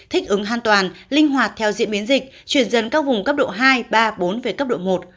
thích ứng an toàn linh hoạt theo diễn biến dịch chuyển dần các vùng cấp độ hai ba bốn về cấp độ một